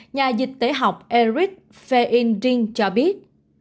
nhà dịch tế học eric feindring cho biết